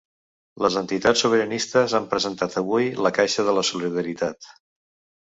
Les entitats sobiranistes han presentat avui la caixa de la solidaritat.